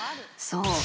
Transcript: ［そう。